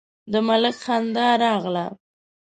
د ملک خندا راغله: